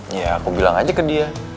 ya aku bilang aja ke dia